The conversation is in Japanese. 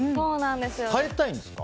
変えたいんですか？